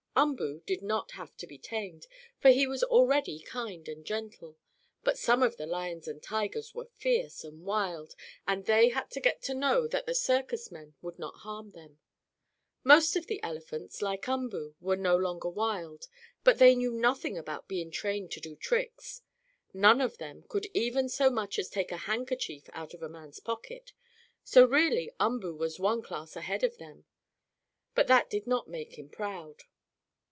Umboo did not have to be tamed, for he was already kind and gentle. But some of the lions and tigers were fierce and wild, and they had to get to know that the circus men would not harm them. Most of the elephants, like Umboo, were no longer wild, but they knew nothing about being trained to do tricks. None of them could even so much as take a handkerchief out of a man's pocket, so really Umboo was one class ahead of them. But that did not make him proud.